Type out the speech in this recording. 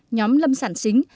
nhóm lâm sản chính